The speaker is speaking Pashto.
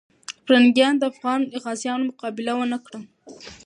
پرنګیان د افغان غازیو مقابله ونه کړه.